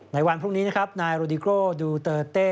ในวันพรุ่งนี้นะครับนายโรดิโกดูเตอร์เต้